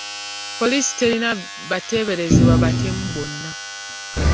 Poliisi terina bateeberezebwa butemu bonna.